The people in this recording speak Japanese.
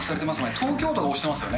東京都が推してますよね。